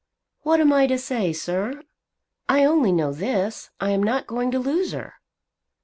"What am I to say, sir? I only know this; I am not going to lose her."